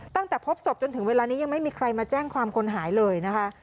ตั้งแต่พบศพจนถึงเวลานี้ยังไม่มีใครมาแจ้งความคนหายเลยนะคะ